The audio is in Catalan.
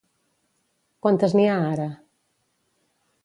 Quantes n'hi ha ara?